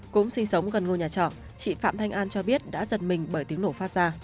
cũng sinh sống gần ngôi nhà trọ chị phạm thanh an cho biết đã giật mình bởi tiếng nổ phát ra